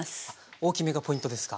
大きめがポイントですか？